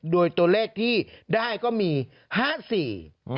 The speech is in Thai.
โดยตัวเลขที่ได้ก็มีห้าสี่